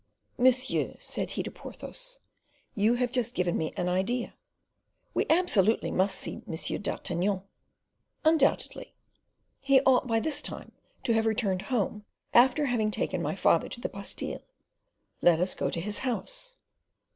"Monsieur," said he to Porthos, "you have just given me an idea; we absolutely must see M. d'Artagnan." "Undoubtedly." "He ought by this time to have returned home, after having taken my father to the Bastile. Let us go to his house."